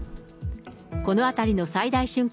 この辺りの最大瞬間